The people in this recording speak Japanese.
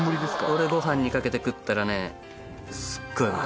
これご飯にかけて食ったらねすっごいうまい。